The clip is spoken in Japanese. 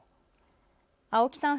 青木さん